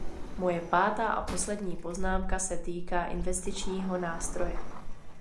Moje pátá a poslední poznámka se týká investičního nástroje.